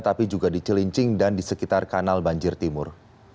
tapi juga di cilincing dan di sekitar kanal banjir timur